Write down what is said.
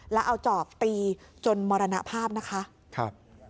แล้วเอาจอบตีจนมรณภาพนะคะ